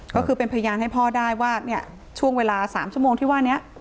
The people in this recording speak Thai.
ก็คือเป็นพยานให้พ่อได้ว่าเนี่ยช่วงเวลา๓ชั่วโมงที่ว่านี้